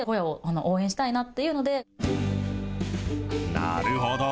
なるほど。